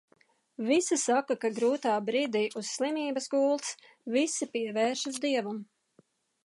Visi saka, ka grūtā brīdī, uz slimības gultas visi pievēršas Dievam.